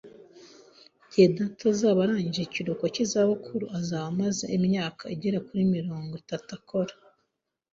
Igihe data azaba arangije ikiruhuko cy'izabukuru, azaba amaze imyaka igera kuri mirongo itatu akora